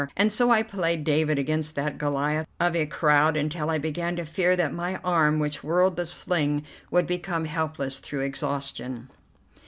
And so I played David against that Goliath of a crowd until I began to fear that my arm which whirled the sling would become helpless through exhaustion.